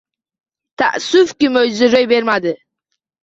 Taassufki, mo``jiza ro`y bermadi